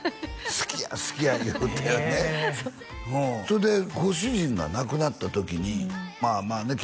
それでご主人が亡くなった時にまあまあね